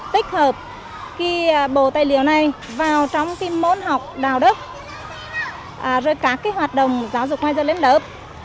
tích hợp bồ tài liệu này vào trong môn học đạo đức các hoạt động giáo dục hoa dân lên lớp